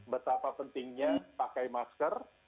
betapa pentingnya pakai masker